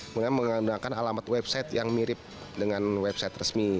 kemudian menggunakan alamat website yang mirip dengan website resmi